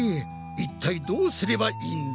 いったいどうすればいいんだ？